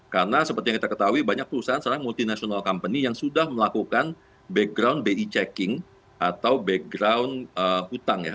karena seperti yang kita ketahui banyak perusahaan serta multinational company yang sudah melakukan background bi checking atau background hutang ya